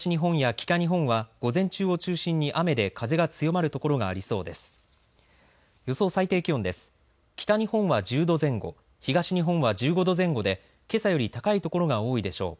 北日本は１０度前後東日本は１５度前後でけさより高い所が多いでしょう。